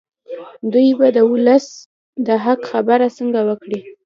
دوی به د ولس د حق خبره څنګه وکړي.